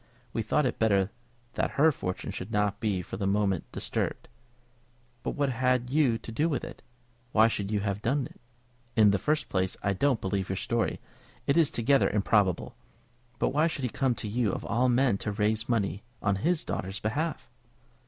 We thought it better that her fortune should not be for the moment disturbed." "But what had you to do with it? Why should you have done it? In the first place, I don't believe your story; it is altogether improbable. But why should he come to you of all men to raise money on his daughter's behalf?"